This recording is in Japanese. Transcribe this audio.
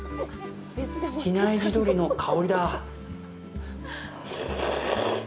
比内地鶏の香りだぁ！